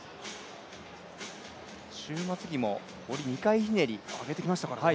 終末技も２回ひねり上げてきましたからね。